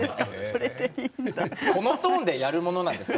このトーンでやるものなんですか？